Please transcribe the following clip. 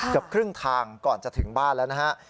เกือบครึ่งทางก่อนจะถึงบ้านแล้วนะฮะ